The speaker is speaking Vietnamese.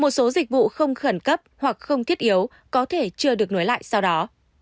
một số dịch vụ không khẩn cấp hoặc không thiết yếu có thể chưa được nối lại sau đó